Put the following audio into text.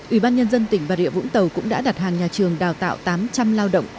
ủy ban nhân dân tỉnh bà rịa vũng tàu cũng đã đặt hàng nhà trường đào tạo tám trăm linh lao động